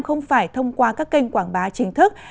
không phải thông qua các kênh quảng bá chính thức